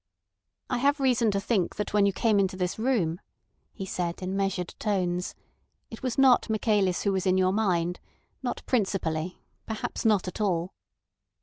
"I have reason to think that when you came into this room," he said in measured tones, "it was not Michaelis who was in your mind; not principally—perhaps not at all."